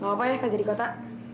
gak apa apa ya kan jadi kota